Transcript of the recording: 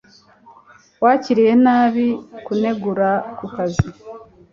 Wakiriye nabi kunegura kukazi?